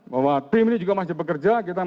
bahwa tim ini juga masih bekerja